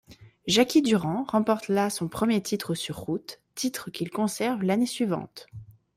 Jacky Durand remporte là son premier titre sur route, titre qu'il conserve l'année suivante.